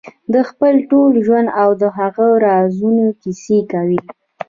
د خپل ټول ژوند او د هغه رازونو کیسې کوي.